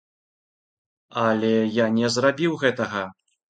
Але я не зрабіў гэтага.